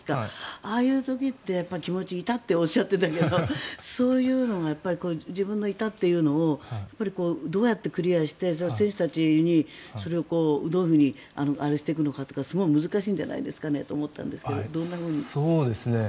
ああいう時って気持ち、イタッておっしゃっていたけど自分のイタッていうのをどうやってクリアして選手たちにそれをどういうふうにあれしていくのかとかすごく難しいんじゃないかと思ったんですがどんなふうに。